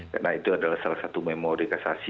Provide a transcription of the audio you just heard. karena itu adalah salah satu memori kasasi